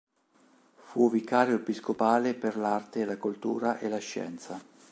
Fu vicario episcopale per l'arte, la cultura e la scienza.